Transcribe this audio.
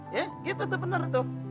iya gitu tuh bener tuh